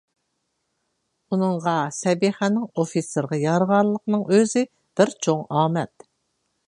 ئۇنىڭغا سەبىخەنىڭ ئوفىتسېرغا يارىغانلىقىنىڭ ئۆزى بىر چوڭ ئامەت.